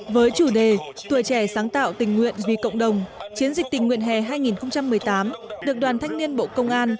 với chủ đề tuổi trẻ sáng tạo tình nguyện vì cộng đồng chiến dịch tình nguyện hè hai nghìn một mươi tám được đoàn thanh niên bộ công an